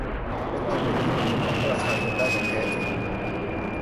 จะต้องเป็นที่พึ่งของประชาชนได้อย่างแท้จริง